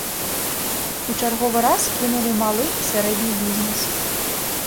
У чарговы раз кінулі малы і сярэдні бізнес.